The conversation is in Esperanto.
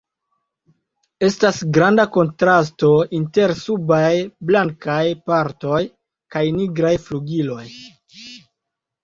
Estas granda kontrasto inter subaj blankaj partoj kaj nigraj flugiloj.